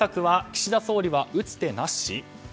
岸田首相は打つ手なし？